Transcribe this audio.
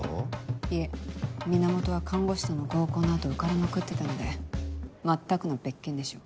いえ源は看護師との合コンの後浮かれまくってたので全くの別件でしょう。